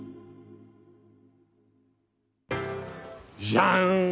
じゃん。